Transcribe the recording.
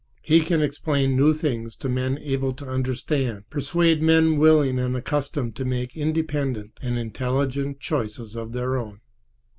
He can explain new things to men able to understand, persuade men willing and accustomed to make independent and intelligent choices of their own.